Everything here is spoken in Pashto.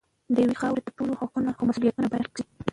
د یوې خاورې د ټولو حقونه او مسوولیتونه باید درک شي.